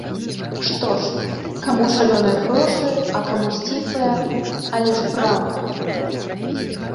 Што ж, каму шалёныя грошы, а каму сціплая, але ж праўда.